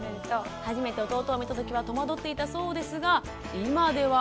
初めて弟を見たときは戸惑っていたそうですが今では。